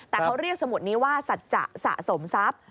แต่เขาเรียกสมุดนี้ว่าสัจจะสะสมทรัพย์